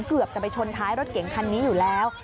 เกือบจะไปชนท้ายรถเก่งคันนี้อยู่แล้ว